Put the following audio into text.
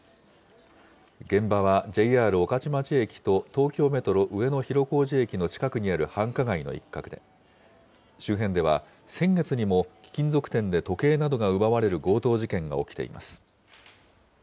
現場はＪＲ御徒町駅と東京メトロ上野広小路駅の近くにある繁華街の一角で、周辺では先月にも、貴金属店で時計などが奪われる強盗事件が起きています。